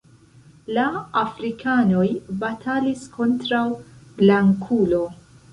La Afrikanoj batalis kontraŭ Blankulo.